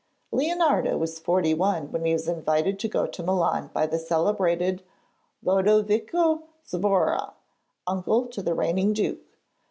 Leonardo was forty one when he was invited to go to Milan by the celebrated Lodovico Sforza, uncle to the reigning duke.